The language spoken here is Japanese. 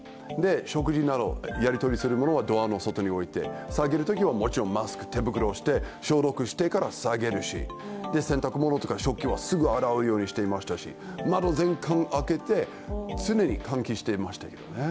食事などをやり取りするものはドアの外に置いて下げるときはもちろんマスク、手袋をして消毒してから下げるし、洗濯物とか食器はすぐ洗うようにしていましたし窓全開に開けて、常に換気していましたけどね。